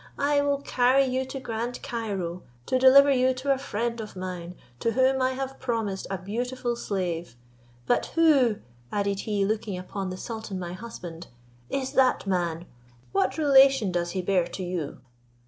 I will carry you to Grand Cairo, to deliver you to a friend of mine, to whom I have promised a beautiful slave. But who," added he, looking upon the sultan my husband, "is that man? What relation does he bear to you?